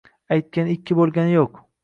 Aytgani ikki bo'lgani yo'q.